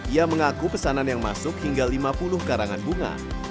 ia mengaku pesanan yang masuk hingga lima puluh karangan bunga